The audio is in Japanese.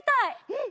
うん！